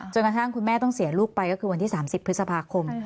กระทั่งคุณแม่ต้องเสียลูกไปก็คือวันที่๓๐พฤษภาคม